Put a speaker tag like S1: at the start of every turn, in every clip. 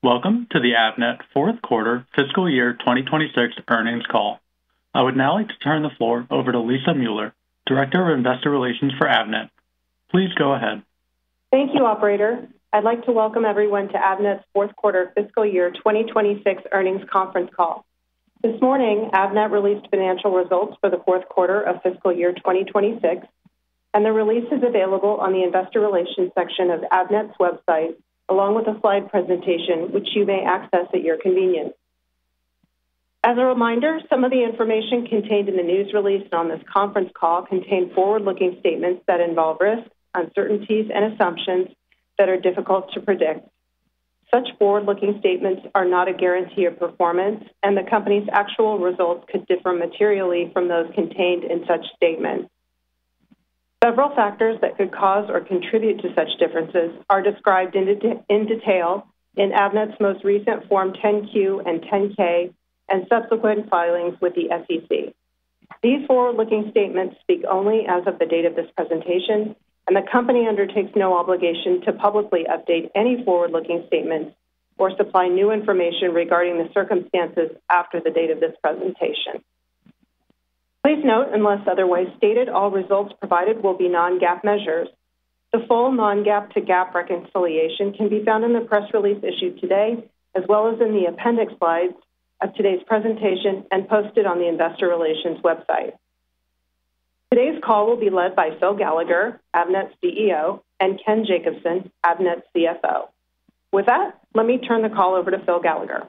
S1: Welcome to the Avnet Fourth Quarter Fiscal Year 2026 earnings call. I would now like to turn the floor over to Lisa Mueller, Director of Investor Relations for Avnet. Please go ahead.
S2: Thank you, operator. I'd like to welcome everyone to Avnet's Fourth Quarter Fiscal Year 2026 earnings conference call. This morning, Avnet released financial results for the fourth quarter of fiscal year 2026, and the release is available on the investor relations section of Avnet's website, along with a slide presentation, which you may access at your convenience. As a reminder, some of the information contained in the news release and on this conference call contain forward-looking statements that involve risks, uncertainties, and assumptions that are difficult to predict. Such forward-looking statements are not a guarantee of performance, and the company's actual results could differ materially from those contained in such statements. Several factors that could cause or contribute to such differences are described in detail in Avnet's most recent Form 10-Q and 10-K and subsequent filings with the SEC. These forward-looking statements speak only as of the date of this presentation, and the company undertakes no obligation to publicly update any forward-looking statements or supply new information regarding the circumstances after the date of this presentation. Please note, unless otherwise stated, all results provided will be non-GAAP measures. The full non-GAAP to GAAP reconciliation can be found in the press release issued today, as well as in the appendix slides of today's presentation, and posted on the investor relations website. Today's call will be led by Phil Gallagher, Avnet's CEO, and Ken Jacobson, Avnet's CFO. With that, let me turn the call over to Phil Gallagher.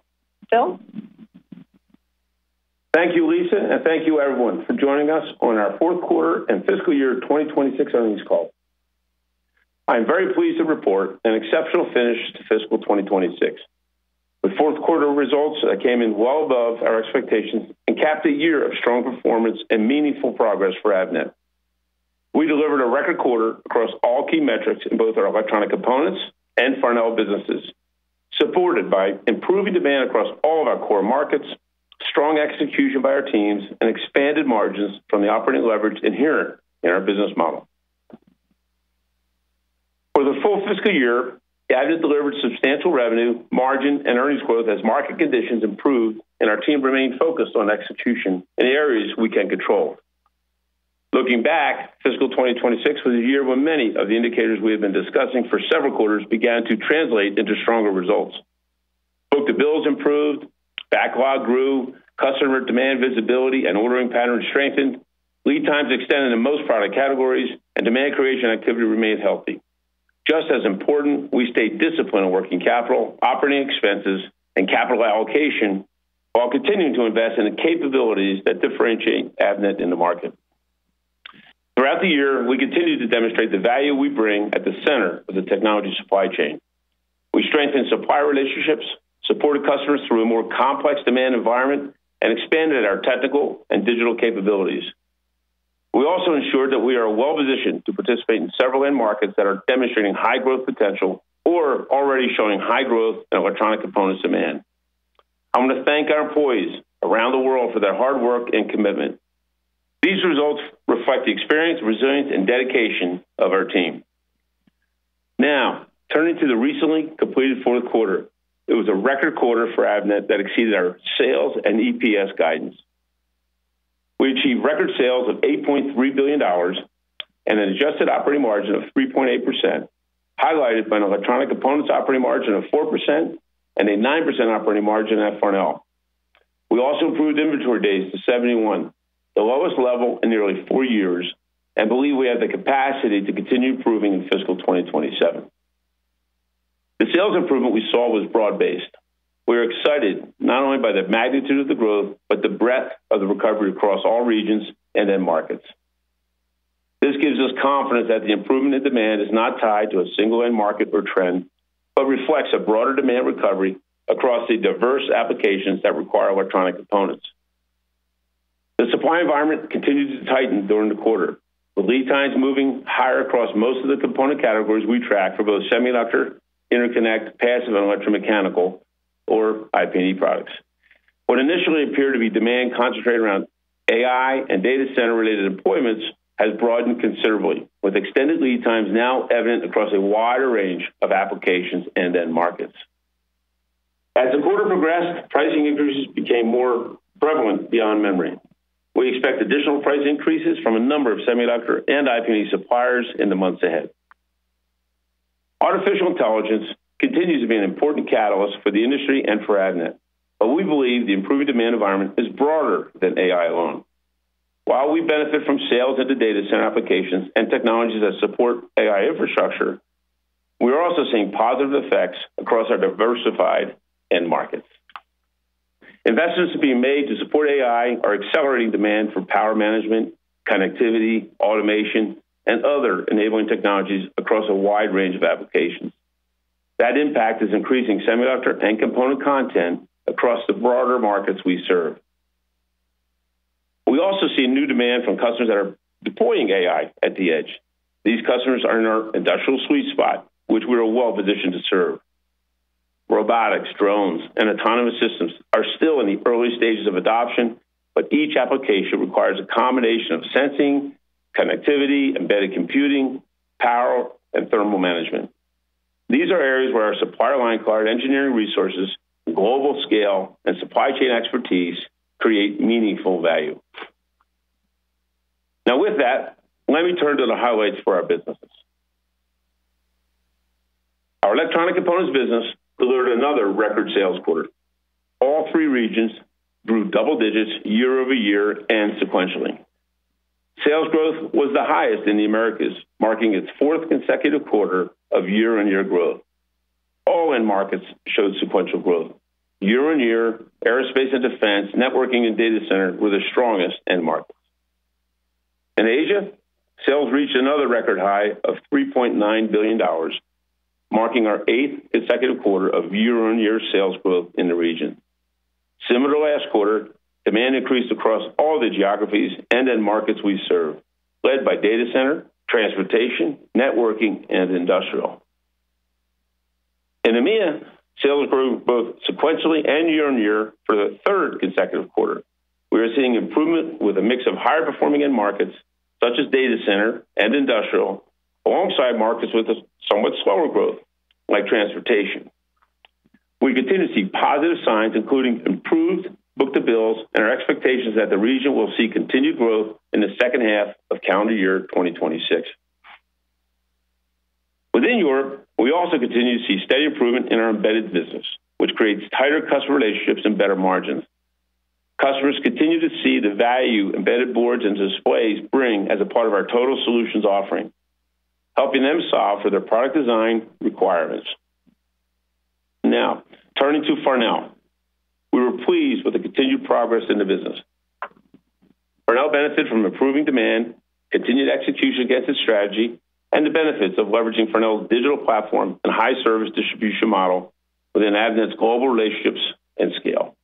S2: Phil?
S3: Thank you, Lisa, and thank you everyone for joining us on our fourth quarter and fiscal year 2026 earnings call. I am very pleased to report an exceptional finish to fiscal 2026. The fourth quarter results that came in well above our expectations and capped a year of strong performance and meaningful progress for Avnet. We delivered a record quarter across all key metrics in both our Electronic Components and Farnell businesses, supported by improving demand across all of our core markets, strong execution by our teams, and expanded margins from the operating leverage inherent in our business model. For the full fiscal year, Avnet delivered substantial revenue, margin, and earnings growth as market conditions improved and our team remained focused on execution in areas we can control. Looking back, fiscal 2026 was a year where many of the indicators we have been discussing for several quarters began to translate into stronger results. Book-to-bill has improved, backlog grew, customer demand visibility and ordering patterns strengthened, lead times extended in most product categories, and demand creation activity remained healthy. Just as important, we stayed disciplined on working capital, operating expenses, and capital allocation while continuing to invest in the capabilities that differentiate Avnet in the market. Throughout the year, we continued to demonstrate the value we bring at the center of the technology supply chain. We strengthened supplier relationships, supported customers through a more complex demand environment, and expanded our technical and digital capabilities. We also ensured that we are well-positioned to participate in several end markets that are demonstrating high growth potential or are already showing high growth in electronic components demand. I want to thank our employees around the world for their hard work and commitment. These results reflect the experience, resilience, and dedication of our team. Now, turning to the recently completed fourth quarter. It was a record quarter for Avnet that exceeded our sales and EPS guidance. We achieved record sales of $8.3 billion and an adjusted operating margin of 3.8%, highlighted by an electronic components operating margin of 4% and a 9% operating margin at Farnell. We also improved inventory days to 71, the lowest level in nearly four years, and believe we have the capacity to continue improving in fiscal 2027. The sales improvement we saw was broad-based. We are excited not only by the magnitude of the growth, but the breadth of the recovery across all regions and end markets. This gives us confidence that the improvement in demand is not tied to a single end market or trend, but reflects a broader demand recovery across the diverse applications that require electronic components. The supply environment continued to tighten during the quarter, with lead times moving higher across most of the component categories we track for both semiconductor, interconnect, passive, and electromechanical, or IP&E products. What initially appeared to be demand concentrated around AI and data center-related deployments has broadened considerably, with extended lead times now evident across a wider range of applications and end markets. As the quarter progressed, pricing increases became more prevalent beyond memory. We expect additional price increases from a number of semiconductor and IP&E suppliers in the months ahead. Artificial intelligence continues to be an important catalyst for the industry and for Avnet, but we believe the improving demand environment is broader than AI alone. While we benefit from sales into data center applications and technologies that support AI infrastructure, we are also seeing positive effects across our diversified end markets. Investments being made to support AI are accelerating demand for power management, connectivity, automation, and other enabling technologies across a wide range of applications. That impact is increasing semiconductor and component content across the broader markets we serve. We also see new demand from customers that are deploying AI at the edge. These customers are in our industrial sweet spot, which we are well-positioned to serve. Robotics, drones, and autonomous systems The early stages of adoption, but each application requires a combination of sensing, connectivity, embedded computing, power, and thermal management. These are areas where our supplier line card engineering resources, global scale, and supply chain expertise create meaningful value. Now with that, let me turn to the highlights for our businesses. Our electronic components business delivered another record sales quarter. All three regions grew double digits year-over-year and sequentially. Sales growth was the highest in the Americas, marking its fourth consecutive quarter of year-on-year growth. All end markets showed sequential growth. Year-on-year, aerospace and defense, networking, and data center were the strongest end markets. In Asia, sales reached another record high of $3.9 billion, marking our eighth consecutive quarter of year-on-year sales growth in the region. Similar to last quarter, demand increased across all the geographies and end markets we serve, led by data center, transportation, networking, and industrial. In EMEA, sales grew both sequentially and year-on-year for the third consecutive quarter. We are seeing improvement with a mix of higher-performing end markets such as data center and industrial, alongside markets with a somewhat slower growth, like transportation. We continue to see positive signs, including improved book-to-bills and our expectations that the region will see continued growth in the second half of calendar year 2026. Within Europe, we also continue to see steady improvement in our embedded business, which creates tighter customer relationships and better margins. Customers continue to see the value embedded boards and displays bring as a part of our total solutions offering, helping them solve for their product design requirements. Turning to Farnell. We were pleased with the continued progress in the business. Farnell benefited from improving demand, continued execution against its strategy, and the benefits of leveraging Farnell's digital platform and high service distribution model within Avnet's global relationships and scale.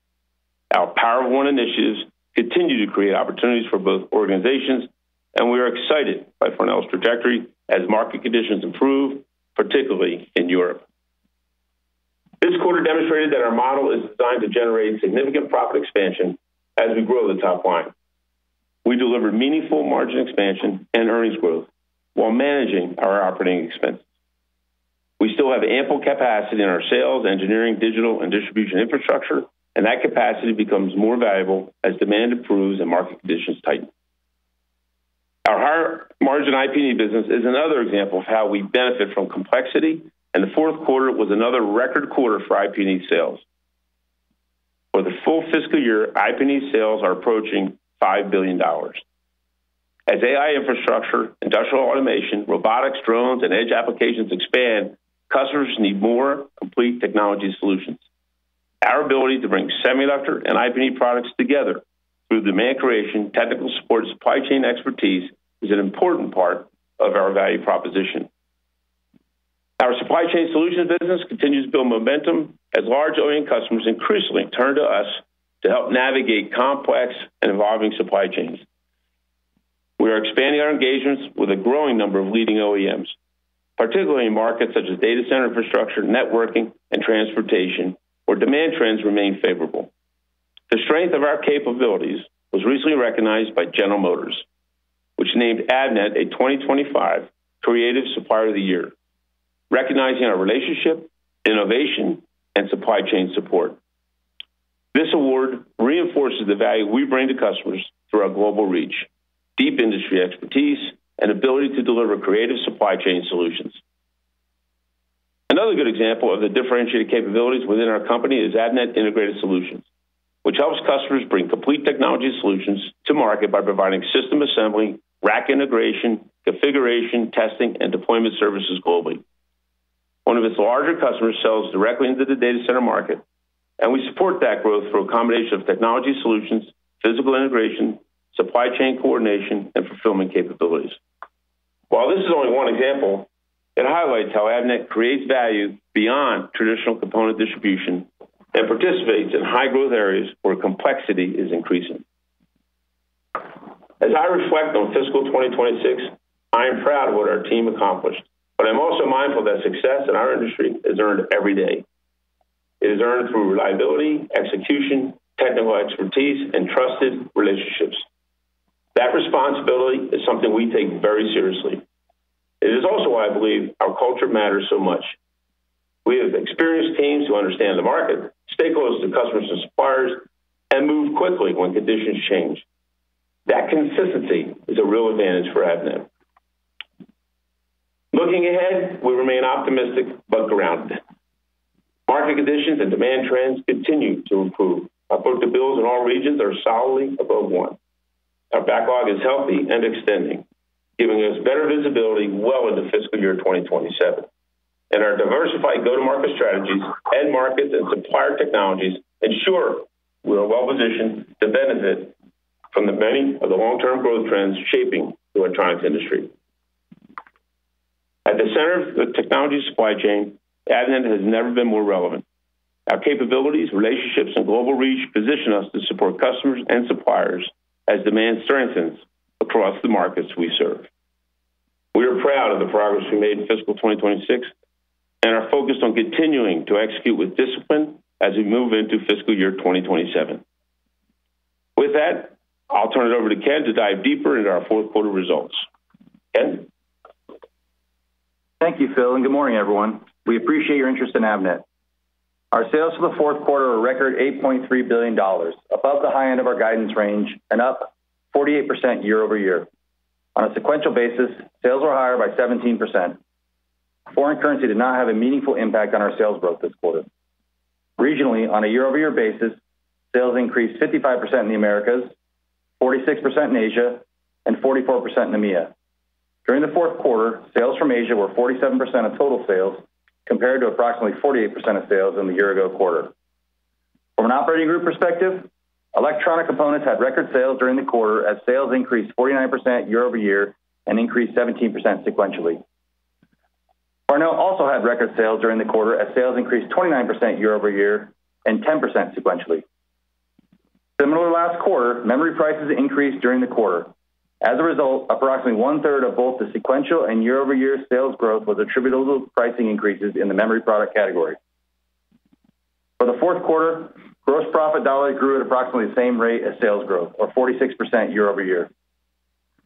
S3: Our Power of One initiatives continue to create opportunities for both organizations, and we are excited by Farnell's trajectory as market conditions improve, particularly in Europe. This quarter demonstrated that our model is designed to generate significant profit expansion as we grow the top line. We delivered meaningful margin expansion and earnings growth while managing our operating expenses. We still have ample capacity in our sales, engineering, digital, and distribution infrastructure, and that capacity becomes more valuable as demand improves and market conditions tighten. Our higher-margin IP&E business is another example of how we benefit from complexity, and the fourth quarter was another record quarter for IP&E sales. For the full fiscal year, IP&E sales are approaching $5 billion. As AI infrastructure, industrial automation, robotics, drones, and edge applications expand, customers need more complete technology solutions. Our ability to bring semiconductor and IP&E products together through demand creation, technical support, and supply chain expertise is an important part of our value proposition. Our supply chain solutions business continues to build momentum as large OEM customers increasingly turn to us to help navigate complex and evolving supply chains. We are expanding our engagements with a growing number of leading OEMs, particularly in markets such as data center infrastructure, networking, and transportation, where demand trends remain favorable. The strength of our capabilities was recently recognized by General Motors, which named Avnet a 2025 Creative Supplier of the Year, recognizing our relationship, innovation, and supply chain support. This award reinforces the value we bring to customers through our global reach, deep industry expertise, and ability to deliver creative supply chain solutions. Another good example of the differentiated capabilities within our company is Avnet Integrated Solutions, which helps customers bring complete technology solutions to market by providing system assembly, rack integration, configuration, testing, and deployment services globally. One of its larger customers sells directly into the data center market, and we support that growth through a combination of technology solutions, physical integration, supply chain coordination, and fulfillment capabilities. While this is only one example, it highlights how Avnet creates value beyond traditional component distribution and participates in high-growth areas where complexity is increasing. As I reflect on fiscal 2026, I am proud of what our team accomplished, but I'm also mindful that success in our industry is earned every day. It is earned through reliability, execution, technical expertise, and trusted relationships. That responsibility is something we take very seriously. It is also why I believe our culture matters so much. We have experienced teams who understand the market, stakeholders, and customers and suppliers, and move quickly when conditions change. That consistency is a real advantage for Avnet. Looking ahead, we remain optimistic but grounded. Market conditions and demand trends continue to improve. Our book-to-bills in all regions are solidly above one. Our backlog is healthy and extending, giving us better visibility well into fiscal year 2027. Our diversified go-to-market strategies, end markets, and supplier technologies ensure we are well-positioned to benefit from the many of the long-term growth trends shaping the electronics industry. At the center of the technology supply chain, Avnet has never been more relevant. Our capabilities, relationships, and global reach position us to support customers and suppliers as demand strengthens across the markets we serve. We made in fiscal 2026, and are focused on continuing to execute with discipline as we move into fiscal year 2027. With that, I'll turn it over to Ken to dive deeper into our fourth quarter results. Ken?
S4: Thank you, Phil, and good morning, everyone. We appreciate your interest in Avnet. Our sales for the fourth quarter were a record $8.3 billion, above the high end of our guidance range and up 48% year-over-year. On a sequential basis, sales were higher by 17%. Foreign currency did not have a meaningful impact on our sales growth this quarter. Regionally, on a year-over-year basis, sales increased 55% in the Americas, 46% in Asia, and 44% in EMEA. During the fourth quarter, sales from Asia were 47% of total sales, compared to approximately 48% of sales in the year ago quarter. From an operating group perspective, electronic components had record sales during the quarter as sales increased 49% year-over-year and increased 17% sequentially. Farnell also had record sales during the quarter as sales increased 29% year-over-year and 10% sequentially. Similar to last quarter, memory prices increased during the quarter. As a result, approximately one third of both the sequential and year-over-year sales growth was attributable to pricing increases in the memory product category. For the fourth quarter, gross profit dollars grew at approximately the same rate as sales growth, or 46% year-over-year.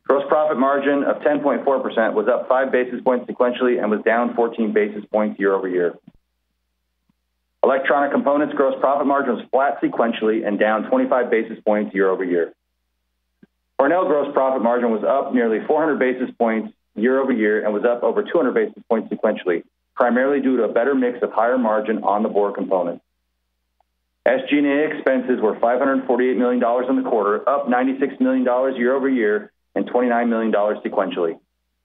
S4: Gross profit margin of 10.4% was up 5 basis points sequentially and was down 14 basis points year-over-year. Electronic components gross profit margin was flat sequentially and down 25 basis points year-over-year. Farnell gross profit margin was up nearly 400 basis points year-over-year and was up over 200 basis points sequentially, primarily due to a better mix of higher margin on the board components. SG&A expenses were $548 million in the quarter, up $96 million year-over-year and $29 million sequentially.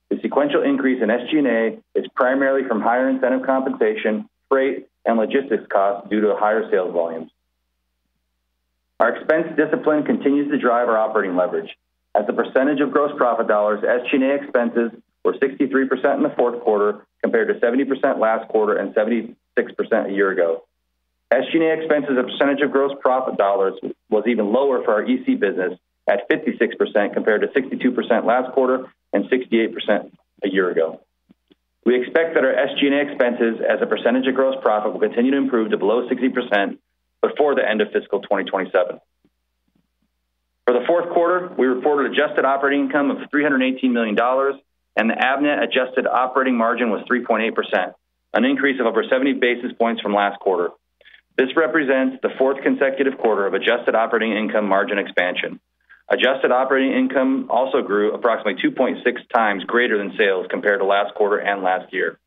S4: The sequential increase in SG&A is primarily from higher incentive compensation, freight, and logistics costs due to higher sales volumes. Our expense discipline continues to drive our operating leverage. As a percentage of gross profit dollars, SG&A expenses were 63% in the fourth quarter, compared to 70% last quarter and 76% a year ago. SG&A expenses as a percentage of gross profit dollars was even lower for our EC business at 56%, compared to 62% last quarter and 68% a year ago. We expect that our SG&A expenses as a percentage of gross profit will continue to improve to below 60% before the end of fiscal 2027. For the fourth quarter, we reported adjusted operating income of $318 million, and the Avnet adjusted operating margin was 3.8%, an increase of over 70 basis points from last quarter. This represents the fourth consecutive quarter of adjusted operating income margin expansion. Adjusted operating income also grew approximately 2.6x greater than sales compared to last quarter and last year.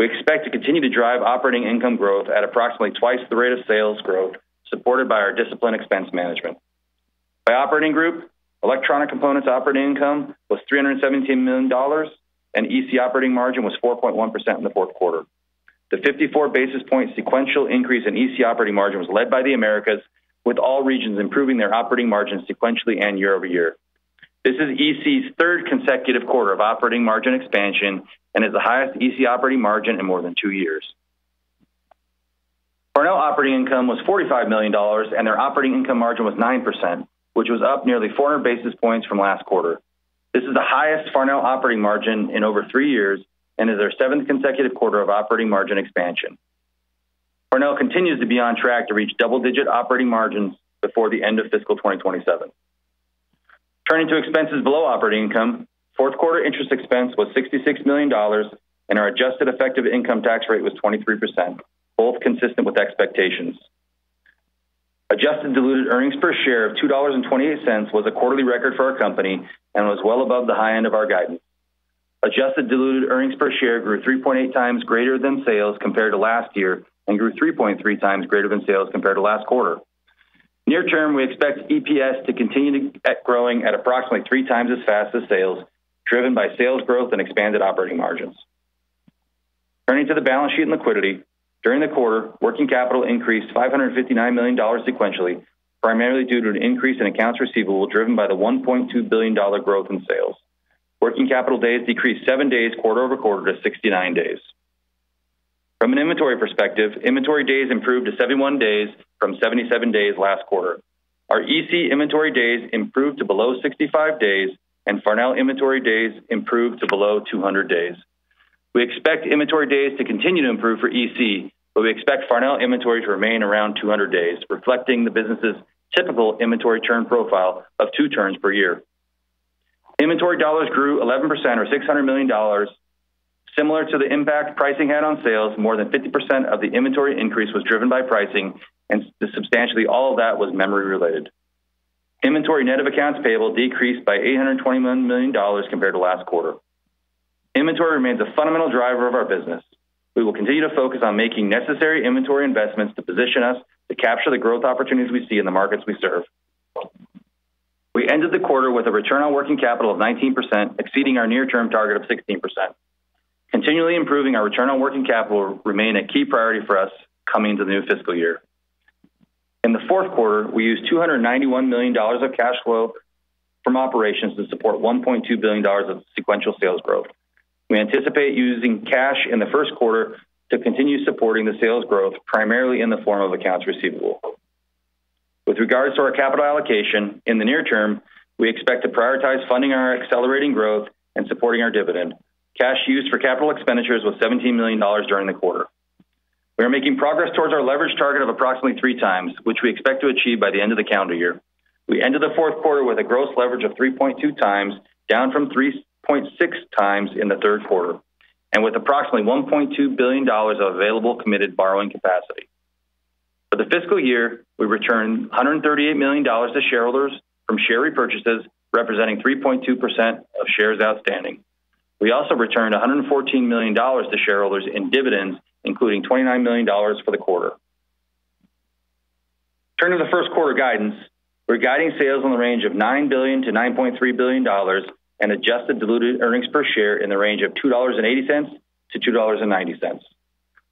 S4: We expect to continue to drive operating income growth at approximately twice the rate of sales growth, supported by our disciplined expense management. By operating group, electronic components operating income was $317 million, and EC operating margin was 4.1% in the fourth quarter. The 54 basis point sequential increase in EC operating margin was led by the Americas, with all regions improving their operating margins sequentially and year-over-year. This is EC's third consecutive quarter of operating margin expansion and is the highest EC operating margin in more than two years. Farnell operating income was $45 million, and their operating income margin was 9%, which was up nearly 400 basis points from last quarter. This is the highest Farnell operating margin in over three years and is their seventh consecutive quarter of operating margin expansion. Farnell continues to be on track to reach double-digit operating margins before the end of fiscal 2027. Turning to expenses below operating income, fourth quarter interest expense was $66 million, and our adjusted effective income tax rate was 23%, both consistent with expectations. Adjusted diluted earnings per share of $2.28 was a quarterly record for our company and was well above the high end of our guidance. Adjusted diluted earnings per share grew 3.8x greater than sales compared to last year and grew 3.3x greater than sales compared to last quarter. Near term, we expect EPS to continue growing at approximately 3x as fast as sales, driven by sales growth and expanded operating margins. Turning to the balance sheet and liquidity. During the quarter, working capital increased $559 million sequentially, primarily due to an increase in accounts receivable driven by the $1.2 billion growth in sales. Working capital days decreased seven days quarter-over-quarter to 69 days. From an inventory perspective, inventory days improved to 71 days from 77 days last quarter. Our EC inventory days improved to below 65 days, and Farnell inventory days improved to below 200 days. We expect inventory days to continue to improve for EC, but we expect Farnell inventory to remain around 200 days, reflecting the business's typical inventory turn profile of two turns per year. Inventory dollars grew 11%, or $600 million. Similar to the impact pricing had on sales, more than 50% of the inventory increase was driven by pricing, and substantially all of that was memory-related. Inventory net of accounts payable decreased by $821 million compared to last quarter. Inventory remains a fundamental driver of our business. We will continue to focus on making necessary inventory investments to position us to capture the growth opportunities we see in the markets we serve. We ended the quarter with a return on working capital of 19%, exceeding our near-term target of 16%. Continually improving our return on working capital will remain a key priority for us coming to the new fiscal year. In the fourth quarter, we used $291 million of cash flow from operations to support $1.2 billion of sequential sales growth. We anticipate using cash in the first quarter to continue supporting the sales growth, primarily in the form of accounts receivable. With regards to our capital allocation, in the near term, we expect to prioritize funding our accelerating growth and supporting our dividend. Cash used for capital expenditures was $17 million during the quarter. We are making progress towards our leverage target of approximately 3x, which we expect to achieve by the end of the calendar year. We ended the fourth quarter with a gross leverage of 3.2x, down from 3.6x in the third quarter, and with approximately $1.2 billion of available committed borrowing capacity. For the fiscal year, we returned $138 million to shareholders from share repurchases, representing 3.2% of shares outstanding. We also returned $114 million to shareholders in dividends, including $29 million for the quarter. Turning to the first quarter guidance. We are guiding sales in the range of $9 billion-$9.3 billion and adjusted diluted earnings per share in the range of $2.80-$2.90.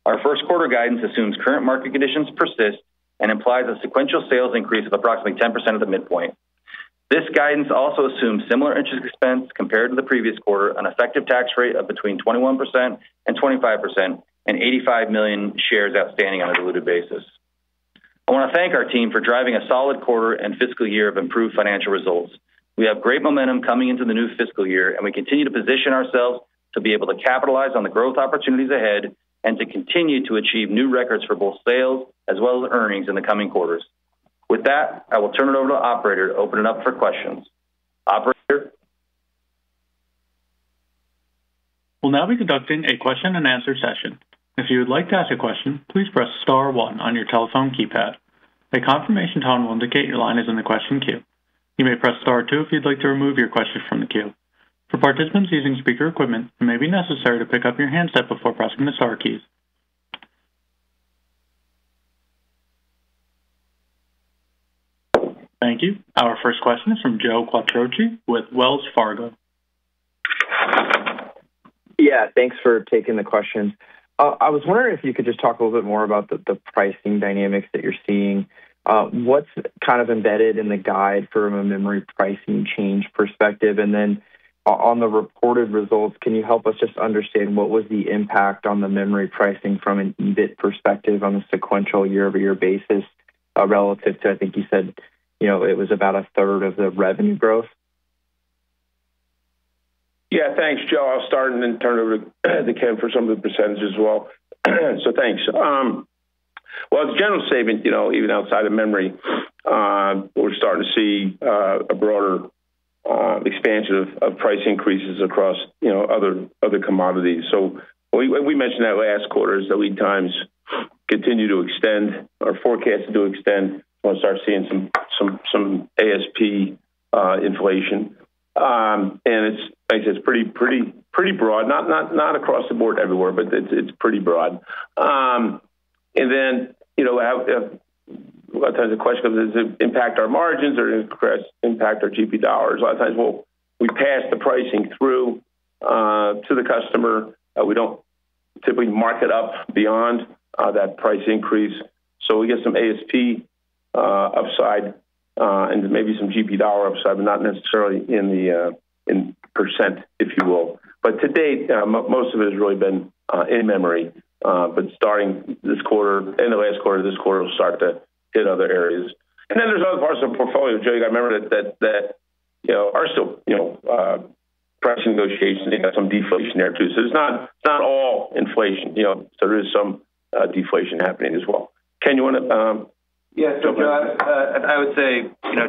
S4: Our first quarter guidance assumes current market conditions persist and implies a sequential sales increase of approximately 10% at the midpoint. This guidance also assumes similar interest expense compared to the previous quarter, an effective tax rate of between 21% and 25%, 85 million shares outstanding on a diluted basis. I want to thank our team for driving a solid quarter and fiscal year of improved financial results. We have great momentum coming into the new fiscal year, and we continue to position ourselves to be able to capitalize on the growth opportunities ahead and to continue to achieve new records for both sales as well as earnings in the coming quarters. With that, I will turn it over to operator to open it up for questions. Operator?
S1: We will now be conducting a question-and-answer session. If you would like to ask a question, please press star one on your telephone keypad. A confirmation tone will indicate your line is in the question queue. You may press star two if you would like to remove your question from the queue. For participants using speaker equipment, it may be necessary to pick up your handset before pressing the star keys. Thank you. Our first question is from Joe Quatrochi with Wells Fargo.
S5: Thanks for taking the question. I was wondering if you could just talk a little bit more about the pricing dynamics that you're seeing. What's kind of embedded in the guide from a memory pricing change perspective? On the reported results, can you help us just understand what was the impact on the memory pricing from an EBIT perspective on a sequential year-over-year basis, relative to, I think you said it was about a third of the revenue growth?
S3: Thanks, Joe. I'll start and then turn it over to Ken for some of the percentages as well. Thanks. Well, as a general statement, even outside of memory, we're starting to see a broader expansion of price increases across other commodities. We mentioned that last quarter as the lead times continue to extend, are forecasted to extend, we'll start seeing some ASP inflation. It's pretty broad. Not across the board everywhere, but it's pretty broad. A lot of times the question, does it impact our margins or impact our GP dollars? A lot of times, we pass the pricing through to the customer. We don't typically mark it up beyond that price increase. We get some ASP upside, and maybe some GP dollar upside, but not necessarily in percent, if you will. To date, most of it has really been in memory. Starting this quarter, end of last quarter, this quarter, we'll start to hit other areas. There's other parts of the portfolio, Joe, you got to remember that are still price negotiations, they got some deflation there too. It's not all inflation. There is some deflation happening as well. Ken, you want to-
S4: I would say,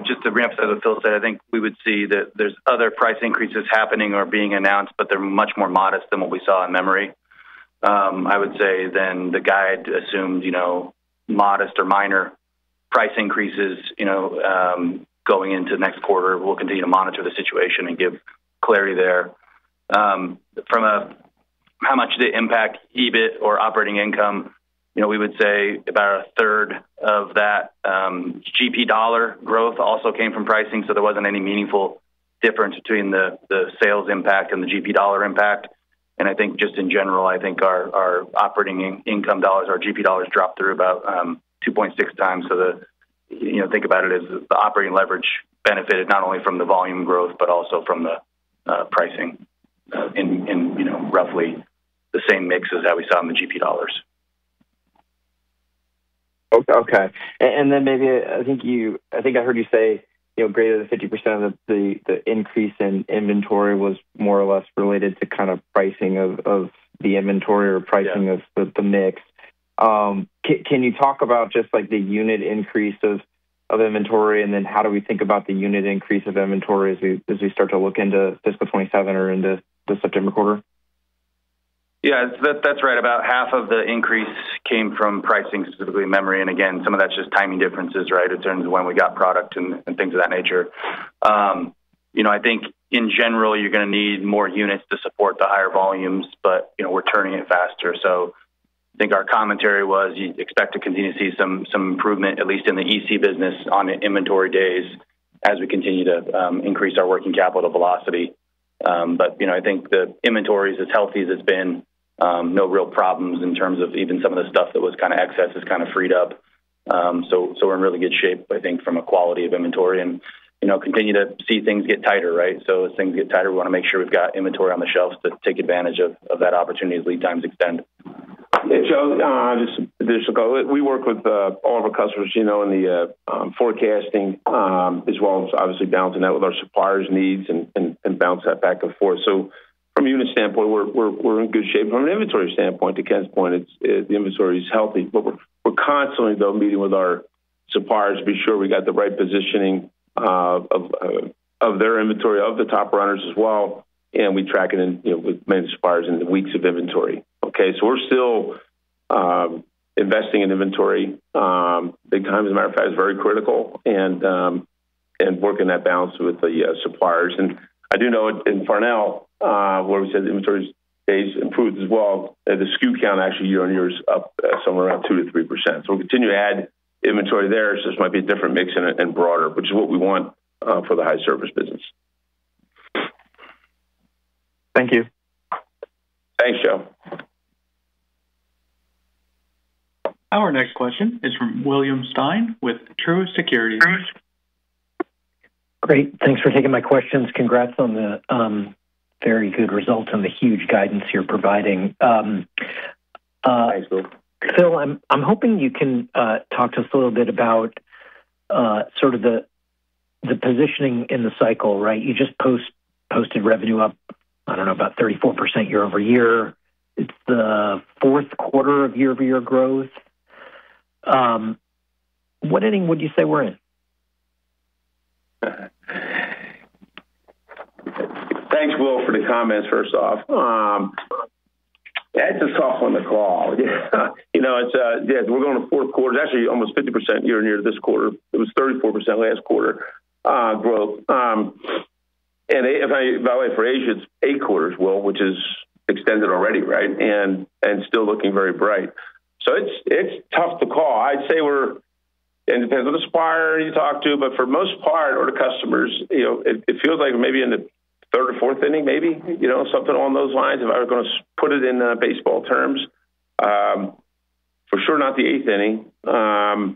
S4: just to reemphasize what Phil said, I think we would see that there's other price increases happening or being announced, but they're much more modest than what we saw in memory. I would say the guide assumes modest or minor price increases, going into next quarter. We'll continue to monitor the situation and give clarity there. From a how much did it impact EBIT or operating income, we would say about a third of that GP dollar growth also came from pricing, there wasn't any meaningful difference between the sales impact and the GP dollar impact. I think just in general, I think our operating income dollars, our GP dollars dropped through about 2.6x. Think about it as the operating leverage benefited not only from the volume growth but also from the pricing in roughly the same mix as that we saw in the GP dollars.
S5: Okay. Maybe, I think I heard you say greater than 50% of the increase in inventory was more or less related to kind of pricing of the inventory or pricing of the mix.
S4: Yeah.
S5: Can you talk about just, like, the unit increase of inventory, how do we think about the unit increase of inventory as we start to look into fiscal 2027 or into the September quarter?
S4: Yeah, that's right. About half of the increase came from pricing, specifically memory. Again, some of that's just timing differences, right? In terms of when we got product and things of that nature. I think in general, you're going to need more units to support the higher volumes, but we're turning it faster. I think our commentary was you'd expect to continue to see some improvement, at least in the EC business, on the inventory days as we continue to increase our working capital velocity. I think the inventory is as healthy as it's been. No real problems in terms of even some of the stuff that was kind of excess is kind of freed up. We're in really good shape, I think, from a quality of inventory and continue to see things get tighter, right? As things get tighter, we want to make sure we've got inventory on the shelves to take advantage of that opportunity as lead times extend.
S3: Yeah, Joe, just to go, we work with all of our customers in the forecasting, as well as obviously balancing that with our suppliers' needs and bounce that back and forth. From a unit standpoint, we're in good shape. From an inventory standpoint, to Ken's point, the inventory is healthy. We're constantly, though, meeting with our suppliers to be sure we got the right positioning of their inventory, of the top runners as well, and we track it in with many suppliers in the weeks of inventory. Okay? We're still investing in inventory big time, as a matter of fact, it's very critical, and working that balance with the suppliers. I do know in Farnell, where we said the inventory days improved as well, the SKU count actually year-on-year is up somewhere around 2%-3%. We'll continue to add inventory there. This might be a different mix and broader, which is what we want for the high service business.
S5: Thank you.
S3: Thanks, Joe.
S1: Our next question is from William Stein with Truist Securities.
S6: Great. Thanks for taking my questions. Congrats on the very good results and the huge guidance you're providing.
S3: Thanks, Will.
S6: Phil, I'm hoping you can talk to us a little bit about sort of the positioning in the cycle, right? You just posted revenue up, I don't know, about 34% year-over-year. It's the fourth quarter of year-over-year growth. What inning would you say we're in?
S3: Thanks, Will, for the comments, first off. That's a tough one to call. We're going to fourth quarter, actually almost 50% year-on-year this quarter. It was 34% last quarter growth. If I evaluate for Asia, it's eight quarters, Will, which is extended already, right? Still looking very bright. It's tough to call. I'd say we're, and it depends on the supplier you talk to, but for the most part, or the customers, it feels like maybe in the third or fourth inning, maybe. Something along those lines, if I were going to put it in baseball terms. For sure not the eighth inning. I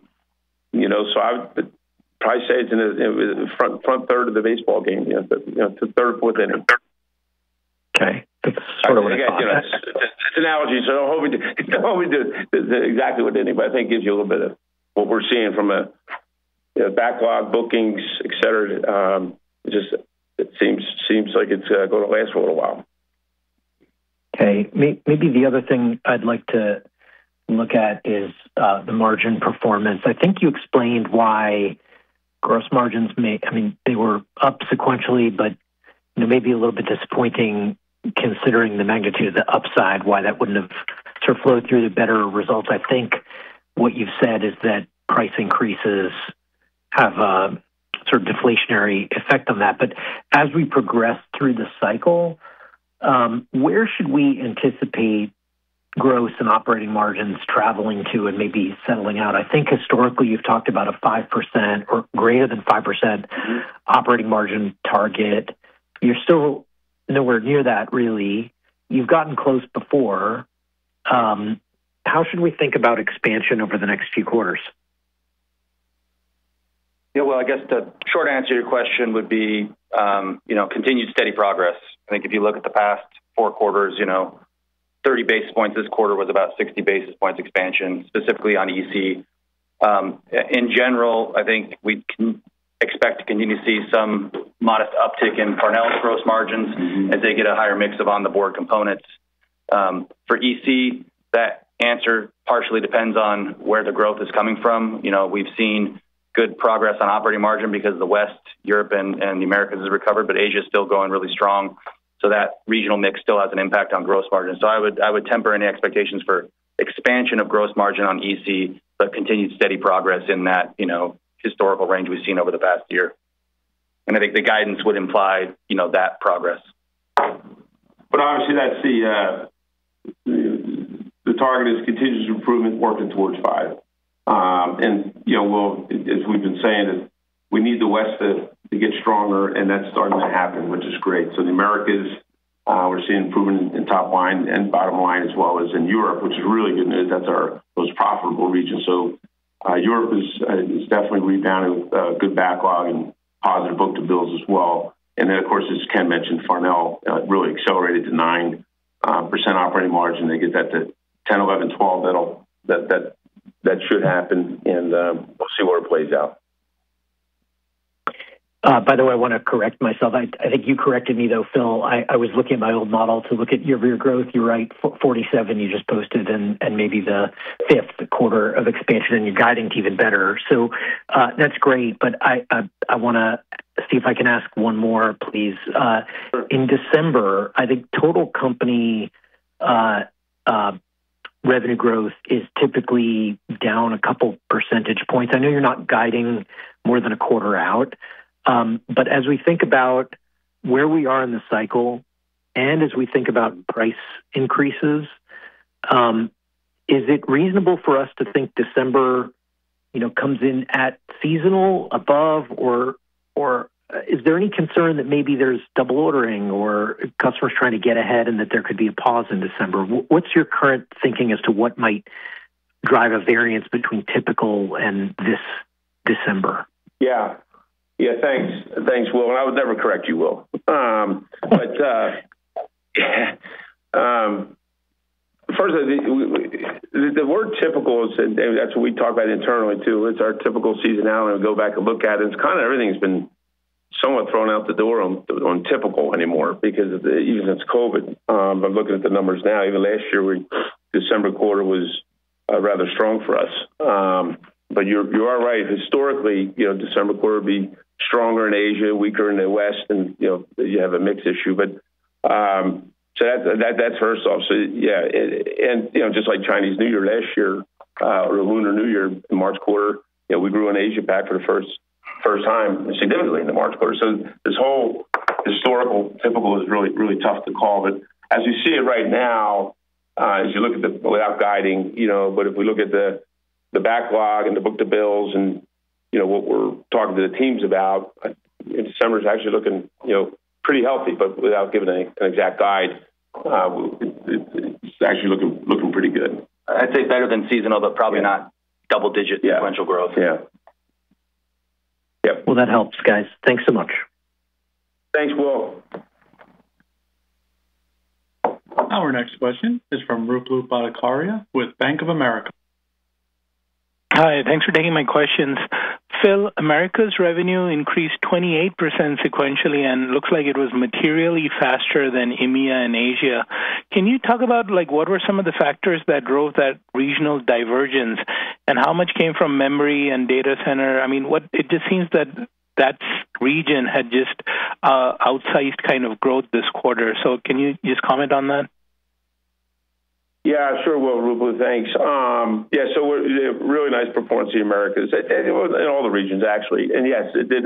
S3: would probably say it's in the front third of the baseball game, yeah. The third, fourth inning.
S6: Okay. That's sort of what I thought.
S3: It's analogies, so don't hold me to exactly what inning, but I think it gives you a little bit of what we're seeing from a backlog, bookings, et cetera. It just seems like it's going to last for a little while.
S6: Okay. Maybe the other thing I'd like to look at is the margin performance. I think you explained why gross margins. I mean, they were up sequentially, but maybe a little bit disappointing considering the magnitude of the upside, why that wouldn't have sort of flowed through to better results. I think what you've said is that price increases have a sort of deflationary effect on that. As we progress through the cycle, where should we anticipate gross and operating margins traveling to and maybe settling out? I think historically you've talked about a 5% or greater than 5% operating margin target. You're still nowhere near that, really. You've gotten close before. How should we think about expansion over the next few quarters?
S4: Yeah. Well, I guess the short answer to your question would be continued steady progress. I think if you look at the past four quarters, 30 basis points this quarter with about 60 basis points expansion, specifically on EC. In general, I think we can expect to continue to see some modest uptick in Farnell's gross margins as they get a higher mix of on the board components. For EC, that answer partially depends on where the growth is coming from. We've seen good progress on operating margin because the West, Europe, and the Americas has recovered, but Asia's still going really strong. That regional mix still has an impact on gross margin. I would temper any expectations for expansion of gross margin on EC, but continued steady progress in that historical range we've seen over the past year. I think the guidance would imply that progress.
S3: Obviously, the target is continuous improvement, working towards five. Will, as we've been saying, we need the West to get stronger, and that's starting to happen, which is great. The Americas, we're seeing improvement in top line and bottom line as well as in Europe, which is really good news. That's our most profitable region. Of course, as Ken mentioned, Farnell really accelerated to 9% operating margin. They get that to 10, 11, 12, that should happen and we'll see where it plays out.
S6: By the way, I want to correct myself. I think you corrected me though, Phil. I was looking at my old model to look at year-over-year growth. You're right, 47 you just posted, and maybe the fifth quarter of expansion, and you're guiding to even better. That's great, I want to see if I can ask one more, please.
S3: Sure.
S6: In December, I think total company revenue growth is typically down a couple percentage points. I know you're not guiding more than a quarter out. As we think about where we are in the cycle, and as we think about price increases, is it reasonable for us to think December comes in at seasonal, above, or is there any concern that maybe there's double ordering or customers trying to get ahead and that there could be a pause in December? What's your current thinking as to what might drive a variance between typical and this December.
S3: Thanks, Will. I would never correct you, Will. Firstly, the word typical, that's what we talk about internally, too. It's our typical seasonality, go back and look at it. It's kind of everything's been somewhat thrown out the door on typical anymore because even since COVID. Looking at the numbers now, even last year, December quarter was rather strong for us. You are right. Historically, December quarter would be stronger in Asia, weaker in the West, and you have a mixed issue. [That's herself]. Yeah, and just like Chinese New Year last year, or Lunar New Year in March quarter, we grew in Asia back for the first time, significantly in the March quarter. This whole historical typical is really tough to call. As you see it right now, as you look at without guiding, but if we look at the backlog and the book-to-bills and what we're talking to the teams about, December's actually looking pretty healthy, but without giving an exact guide. It's actually looking pretty good.
S4: I'd say better than seasonal, but probably not double-digit sequential growth.
S3: Yeah.
S6: Well, that helps, guys. Thanks so much.
S3: Thanks, Will.
S1: Our next question is from Ruplu Bhattacharya with Bank of America.
S7: Hi, thanks for taking my questions. Phil, America's revenue increased 28% sequentially, and looks like it was materially faster than EMEA and Asia. Can you talk about what were some of the factors that drove that regional divergence, and how much came from memory and data center? It just seems that that region had just outsized kind of growth this quarter. Can you just comment on that?
S3: Yeah, sure, Ruplu. Thanks. Yeah, really nice performance in Americas. In all the regions, actually. Yes, it did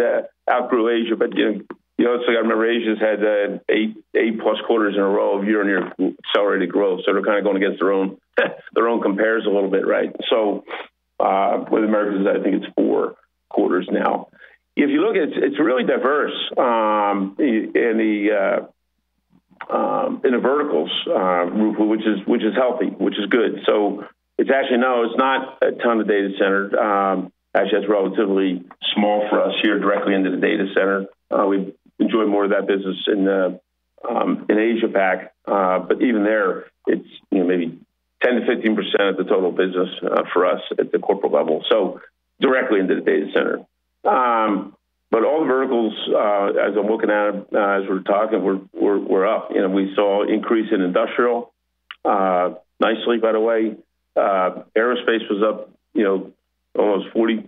S3: outgrow Asia, but you also got to remember, Asia's had 8+ quarters in a row of year-on-year accelerated growth. They're kind of going against their own compares a little bit, right? With Americas, I think it's four quarters now. If you look at it's really diverse in the verticals, Ruplu, which is healthy, which is good. It's actually, no, it's not a ton of data center. Actually, that's relatively small for us here directly into the data center. We enjoy more of that business in Asia Pac. But even there, it's maybe 10%-15% of the total business for us at the corporate level, so directly into the data center. All the verticals, as I'm looking at them, as we're talking, we're up. We saw increase in industrial, nicely, by the way. Aerospace was up almost 40%-45%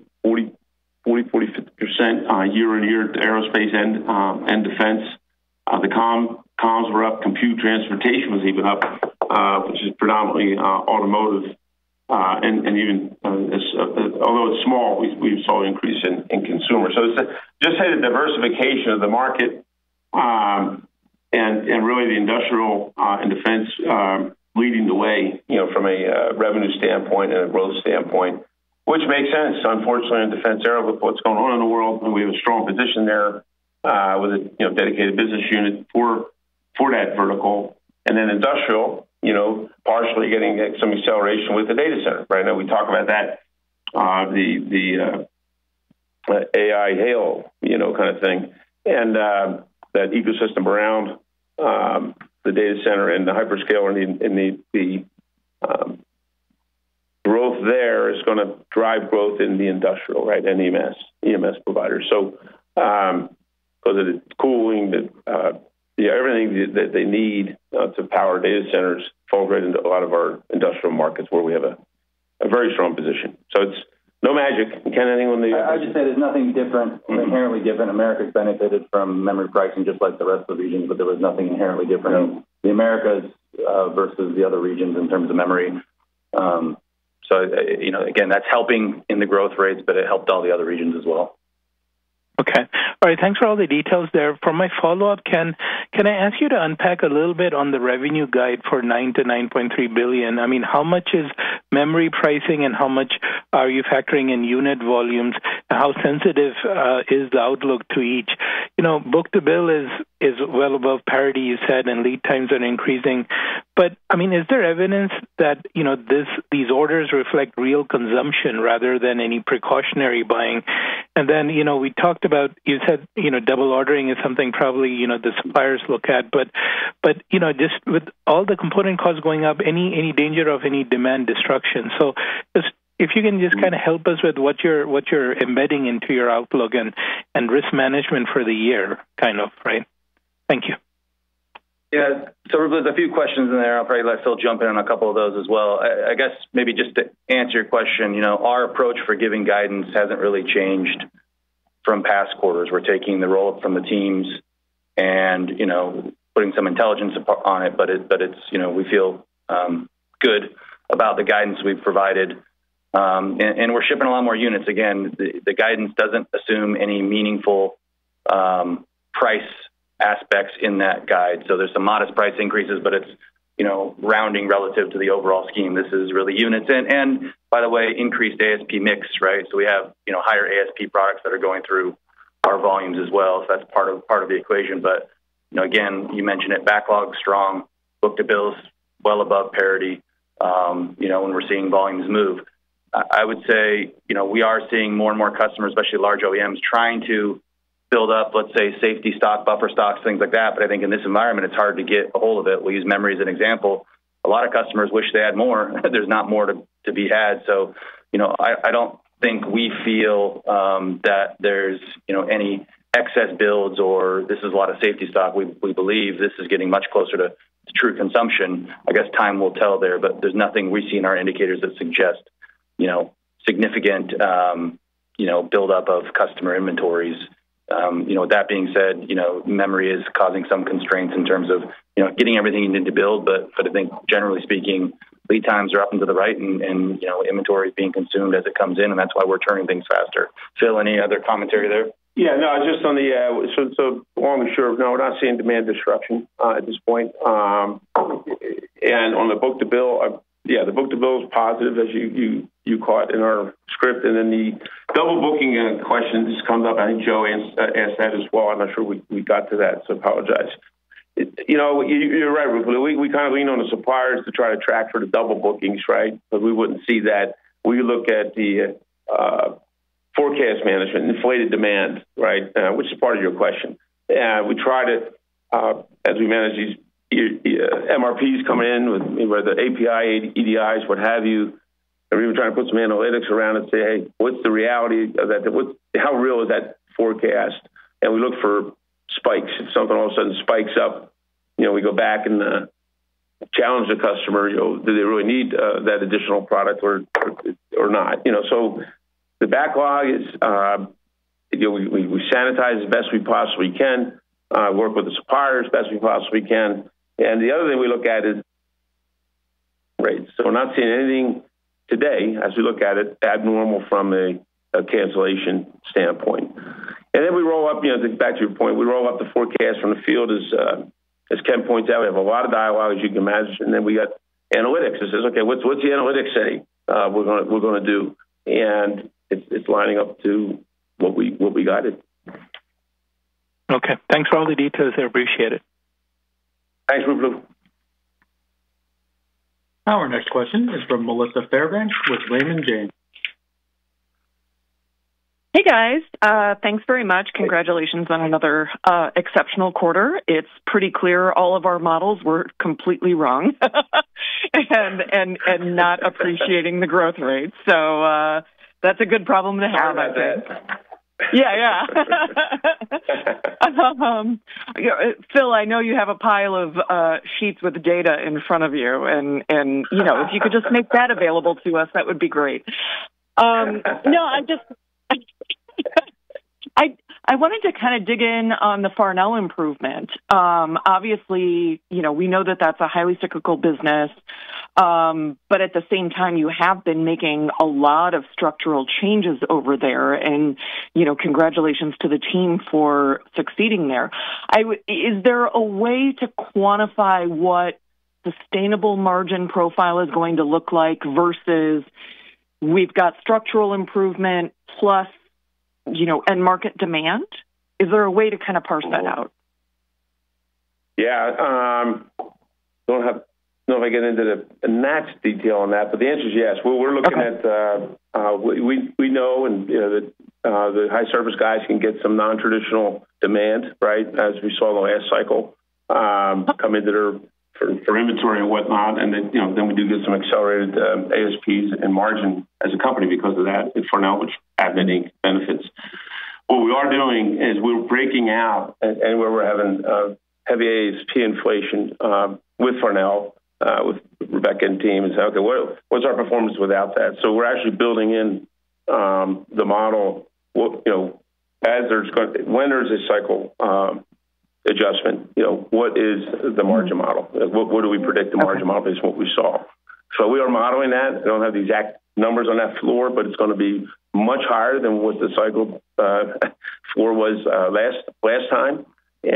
S3: year-on-year to aerospace and defense. The comms were up. Compute transportation was even up, which is predominantly automotive, and even, although it's small, we saw an increase in consumer. Just say the diversification of the market, and really the industrial and defense leading the way from a revenue standpoint and a growth standpoint, which makes sense, unfortunately, in defense era with what's going on in the world, and we have a strong position there with a dedicated business unit for that vertical. And then industrial, partially getting some acceleration with the data center. I know we talk about that, the AI halo kind of thing, and that ecosystem around the data center and the hyperscale and the growth there is going to drive growth in the industrial and EMS providers. Whether it's cooling, everything that they need to power data centers fall right into a lot of our industrial markets where we have a very strong position. It's no magic. Ken, anything on the-
S4: I'd just say there's nothing different, inherently different. Americas benefited from memory pricing just like the rest of the regions, but there was nothing inherently different in the Americas versus the other regions in terms of memory. Again, that's helping in the growth rates, but it helped all the other regions as well.
S7: Okay. All right. Thanks for all the details there. For my follow-up, Ken, can I ask you to unpack a little bit on the revenue guide for $9 billion-$9.3 billion? How much is memory pricing, and how much are you factoring in unit volumes? How sensitive is the outlook to each? Book-to-bill is well above parity, you said, and lead times are increasing. Is there evidence that these orders reflect real consumption rather than any precautionary buying? Then, we talked about, you said double ordering is something probably the suppliers look at. Just with all the component costs going up, any danger of any demand destruction? Just, if you can just help us with what you're embedding into your outlook and risk management for the year kind of. Thank you.
S4: Yeah. There's a few questions in there. I'll probably let Phil jump in on a couple of those as well. I guess maybe just to answer your question, our approach for giving guidance hasn't really changed from past quarters. We're taking the roll-up from the teams and putting some intelligence on it. We feel good about the guidance we've provided, and we're shipping a lot more units. Again, the guidance doesn't assume any meaningful price aspects in that guide. There's some modest price increases, but it's rounding relative to the overall scheme. This is really units. By the way, increased ASP mix. We have higher ASP products that are going through our volumes as well, so that's part of the equation. Again, you mentioned it, backlog strong, book-to-bill is well above parity, and we're seeing volumes move. I would say we are seeing more and more customers, especially large OEMs, trying to build up, let's say, safety stock, buffer stocks, things like that. I think in this environment, it's hard to get a hold of it. We'll use memory as an example. A lot of customers wish they had more. There's not more to be had. I don't think we feel that there's any excess builds or this is a lot of safety stock. We believe this is getting much closer to true consumption. I guess time will tell there, but there's nothing we see in our indicators that suggest significant buildup of customer inventories. With that being said, memory is causing some constraints in terms of getting everything you need to build. I think generally speaking, lead times are up and to the right, and inventory is being consumed as it comes in, and that's why we're turning things faster. Phil, any other commentary there?
S3: Yeah. No, just on the long and short, no, we're not seeing demand disruption at this point. On the book-to-bill, yeah, the book-to-bill is positive as you caught in our script. The double booking question just comes up. I think Joe asked that as well. I'm not sure we got to that. Apologize. You're right, Ruplu. We kind of lean on the suppliers to try to track for the double bookings, right? We wouldn't see that. We look at the forecast management and inflated demand, which is part of your question. We try to, as we manage these MRPs coming in with either API, EDIs, what have you, we even try to put some analytics around it to say, "Hey, what's the reality of that? How real is that forecast?" We look for spikes. If something all of a sudden spikes up, we go back and challenge the customer. Do they really need that additional product or not? The backlog is, we sanitize as best we possibly can, work with the suppliers as best we possibly can. The other thing we look at is rates. We're not seeing anything today, as we look at it, abnormal from a cancellation standpoint. We roll up, back to your point, we roll up the forecast from the field. As Ken points out, we have a lot of dialogues, as you can imagine, then we got analytics that says, "Okay, what's the analytics saying we're going to do?" It's lining up to what we guided.
S7: Okay. Thanks for all the details. I appreciate it.
S3: Thanks, Ruplu.
S1: Our next question is from Melissa Fairbanks with Raymond James.
S8: Hey, guys. Thanks very much. Congratulations on another exceptional quarter. It's pretty clear all of our models were completely wrong and not appreciating the growth rates. That's a good problem to have, I think.
S3: Yeah, it is.
S8: Yeah, yeah. Phil, I know you have a pile of sheets with data in front of you, if you could just make that available to us, that would be great. I wanted to kind of dig in on the Farnell improvement. Obviously, we know that that's a highly cyclical business, at the same time, you have been making a lot of structural changes over there, congratulations to the team for succeeding there. Is there a way to quantify what sustainable margin profile is going to look like versus we've got structural improvement plus end market demand? Is there a way to kind of parse that out?
S3: Yeah. Don't know if I can get into the NATS detail on that, the answer is yes.
S8: Okay.
S3: We know that the high service guys can get some non-traditional demand as we saw last cycle, come into their inventory and whatnot. Then, we do get some accelerated ASPs and margin as a company because of that for now, which has many benefits. What we are doing is we're breaking out anywhere we're having heavy ASP inflation with Farnell, with Rebeca and team, and say, "Okay, what's our performance without that?" We're actually building in the model, when there's a cycle adjustment, what is the margin model? What do we predict the margin model based on what we saw? We are modeling that. I don't have the exact numbers on that floor, but it's going to be much higher than what the cycle four was last time. That's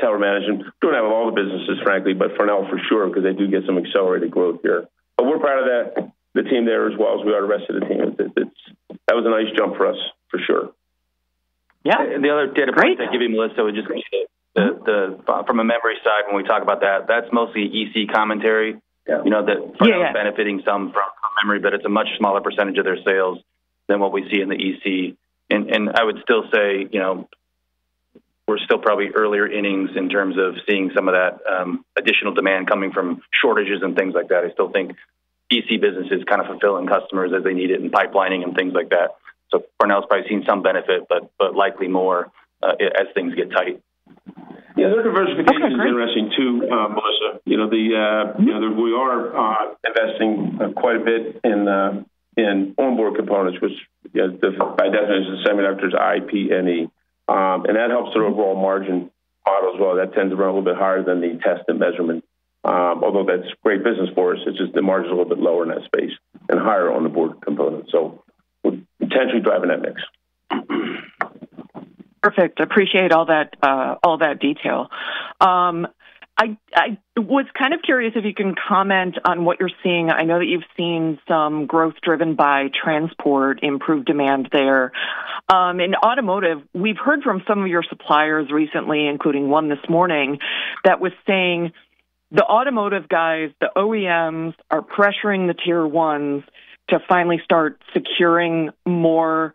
S3: how we're managing. Don't have all the businesses, frankly, Farnell for sure, because they do get some accelerated growth here. We're proud of that, the team there as well as we are the rest of the team. That was a nice jump for us, for sure.
S8: Yeah. Great.
S4: The other data point I'd give you, Melissa, would just be from a memory side, when we talk about that's mostly EC commentary.
S3: Yeah.
S4: Farnell is benefiting some from memory, but it's a much smaller percentage of their sales than what we see in the EC. I would still say, we're still probably earlier innings in terms of seeing some of that additional demand coming from shortages and things like that. I still think EC business is kind of fulfilling customers as they need it and pipelining and things like that. Farnell is probably seeing some benefit, but likely more as things get tight.
S8: Yeah, great.
S3: Their diversification is interesting too, Melissa. We are investing quite a bit in onboard components, which by definition is semiconductors, IP&E. That helps their overall margin model as well. That tends to run a little bit higher than the test and measurement. Although that's great business for us, it's just the margin's a little bit lower in that space and higher on the board components. We're intentionally driving that mix.
S8: Perfect. Appreciate all that detail. I was kind of curious if you can comment on what you're seeing. I know that you've seen some growth driven by transport, improved demand there. In automotive, we've heard from some of your suppliers recently, including one this morning, that was saying the automotive guys, the OEMs, are pressuring the tier 1s to finally start securing more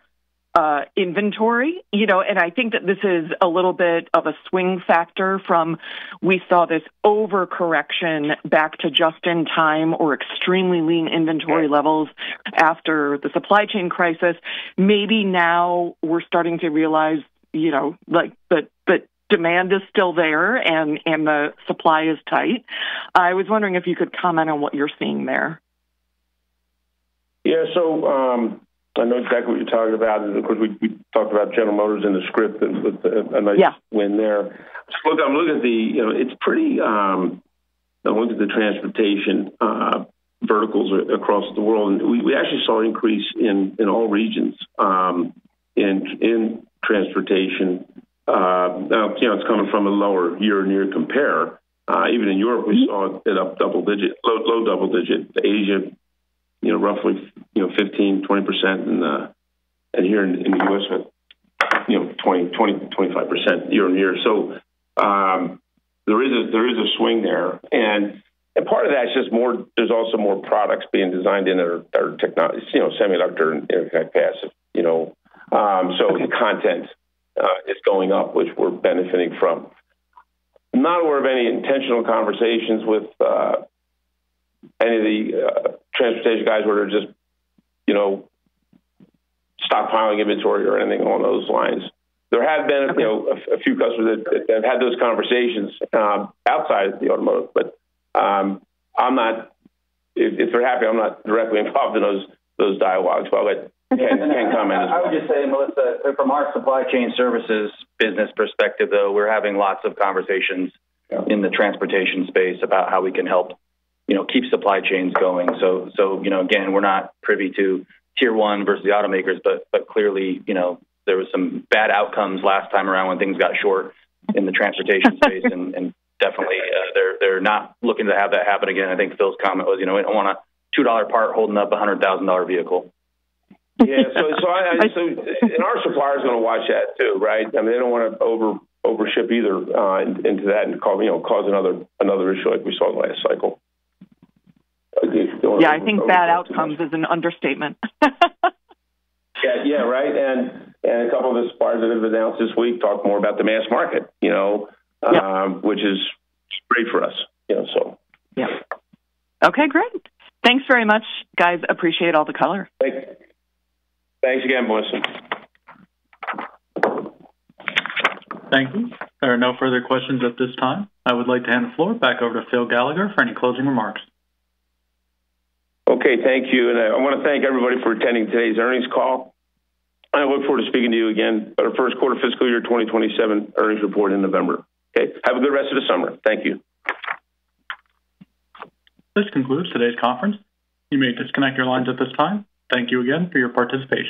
S8: inventory. I think that this is a little bit of a swing factor from, we saw this overcorrection back to just-in-time or extremely lean inventory levels after the supply chain crisis. Maybe now we're starting to realize, demand is still there and the supply is tight. I was wondering if you could comment on what you're seeing there.
S3: Yeah. I know exactly what you're talking about. Of course, we talked about General Motors in the script and-
S8: Yeah
S3: A nice win there. I looked at the transportation verticals across the world, we actually saw an increase in all regions in transportation. It's coming from a lower year-on-year compare. Even in Europe, we saw it up low double digit. Asia, roughly 15%-20%, here in the U.S., 25% year-on-year. There is a swing there. Part of that is just, there's also more products being designed in that are technology, semiconductor and passive. The content is going up, which we're benefiting from. I'm not aware of any intentional conversations with any of the transportation guys where they're just stockpiling inventory or anything along those lines. There have been a few customers that have had those conversations outside the automotive, but if they're happy, I'm not directly involved in those dialogues. Well, I can't comment on that.
S4: I would just say, Melissa, from our supply chain solutions business perspective, though, we're having lots of conversations in the transportation space about how we can help keep supply chains going. Again, we're not privy to Tier 1 versus the automakers, but clearly, there was some bad outcomes last time around when things got short in the transportation space, definitely, they're not looking to have that happen again. I think Phil's comment was, "We don't want a $2 part holding up a $100,000 vehicle.
S3: Yeah. Our suppliers are going to watch that, too, right? They don't want to overship either into that and cause another issue like we saw last cycle.
S8: Yeah, I think bad outcomes is an understatement.
S3: Yeah. Right. A couple of the suppliers that have announced this week talk more about the mass market.
S8: Yeah
S3: Which is great for us.
S8: Yeah. Okay, great. Thanks very much, guys. Appreciate all the color.
S3: Thanks. Thanks again, Melissa.
S1: Thank you. There are no further questions at this time. I would like to hand the floor back over to Phil Gallagher for any closing remarks.
S3: Okay, thank you. I want to thank everybody for attending today's earnings call. I look forward to speaking to you again at our first quarter fiscal year 2027 earnings report in November. Okay. Have a good rest of the summer. Thank you.
S1: This concludes today's conference. You may disconnect your lines at this time. Thank you again for your participation.